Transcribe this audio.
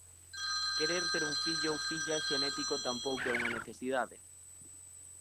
Querer ter un fillo ou filla xenético tampouco é unha necesidade.